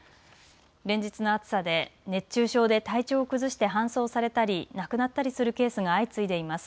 連日の暑さで熱中症で体調を崩して搬送されたり亡くなったりするケースが相次いでいます。